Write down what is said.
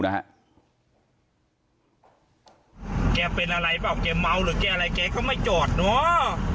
นะฮะแกเป็นอะไรเปล่าเจ๊เมาหรือแกอะไรเจ๊เขาไม่จอดเนาะ